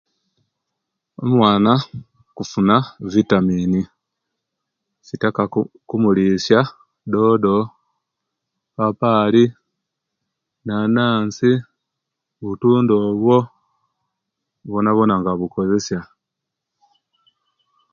Omwaana okufuna viitamini kitaka kumulisa dodo, mapapaali, naanansi, butunda bwo bwonabwona nga bukozesa